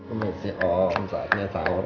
udah si om saatnya saur